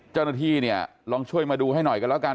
เจ้าหน้าที่เนี่ยลองช่วยมาดูให้หน่อยกันแล้วกัน